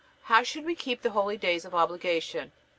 How should we keep the holydays of obligation?